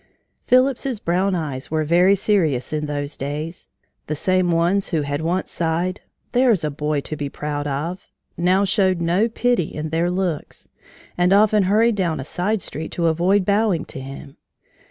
Phillips's brown eyes were very serious in those days. The same ones who had once sighed: "There's a boy to be proud of," now showed no pity in their looks, and often hurried down a side street to avoid bowing to him.